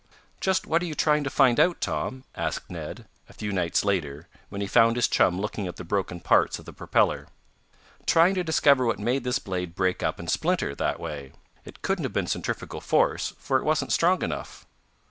"Just what are you trying to find out, Tom?" asked Ned, a few nights later, when he found his chum looking at the broken parts of the propeller. "Trying to discover what made this blade break up and splinter that way. It couldn't have been centrifugal force, for it wasn't strong enough."